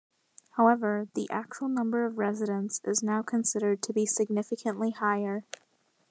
However, the actual number of residents is now considered to be significantly higher.